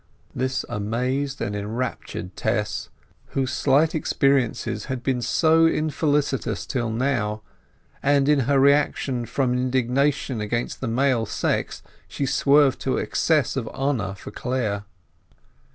This amazed and enraptured Tess, whose slight experiences had been so infelicitous till now; and in her reaction from indignation against the male sex she swerved to excess of honour for Clare.